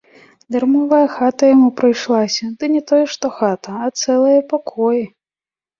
Дармовая хата яму прыйшлася, ды не то што хата, а цэлыя пакоі.